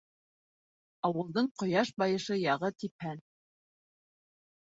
Ауылдың ҡояш байышы яғы типһән.